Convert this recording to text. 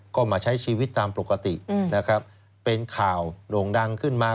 ก็มาใช้ชีวิตตามปกตินะครับเป็นข่าวโด่งดังขึ้นมา